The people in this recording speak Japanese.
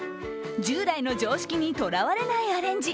従来の常識にとらわれないアレンジ